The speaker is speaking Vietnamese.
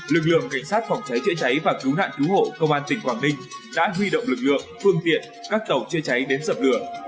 lực lượng cảnh sát phòng cháy chữa cháy và cứu nạn cứu hộ công an tỉnh quảng ninh đã huy động lực lượng phương tiện các tàu chữa cháy đến dập lửa